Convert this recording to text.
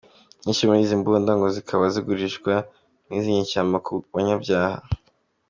Inyinshi muri izi mbunda ngo zikaba zigurishwa n’izi nyeshyamba ku banyabyaha.